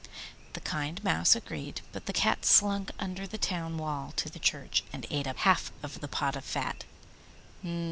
The kind Mouse agreed, but the Cat slunk under the town wall to the church, and ate up half of the pot of fat.